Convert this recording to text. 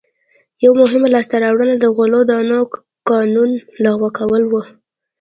یوه مهمه لاسته راوړنه د غلو دانو قانون لغوه کول و.